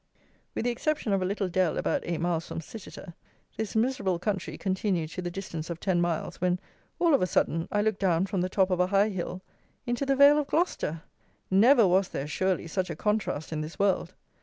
With the exception of a little dell about eight miles from Cititer, this miserable country continued to the distance of ten miles, when, all of a sudden, I looked down from the top of a high hill into the vale of Gloucester! Never was there, surely, such a contrast in this world!